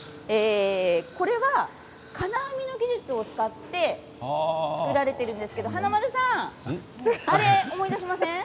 これは金網の技術を使って作られているんですが華丸さん、思い出しませんか。